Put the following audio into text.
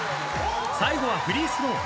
［最後はフリースロー］